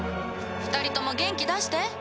２人とも元気出して。